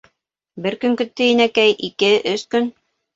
Бер көн көттө Инәкәй, ике, өс көн...